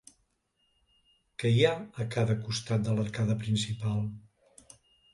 Què hi ha a cada costat de l'arcada principal?